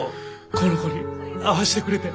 この子に会わしてくれて。